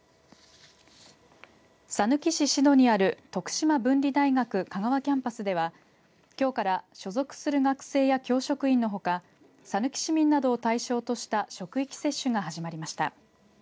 さぬき市志度にある徳島文理大学香川キャンパスではきょうから所属する学生や教職員のほかさぬき市民などを対象とした職域接種が始まりました。